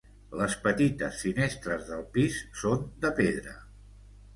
Les petites finestres del pis són de pedra.